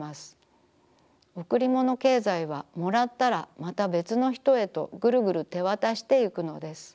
贈りもの経済はもらったらまた別のひとへとぐるぐる手渡してゆくのです。